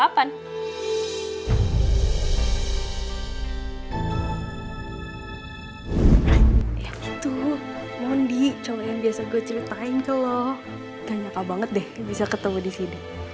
hai itu non di calon yang biasa gue ceritain ke lo gak nyaka banget deh bisa ketemu di sini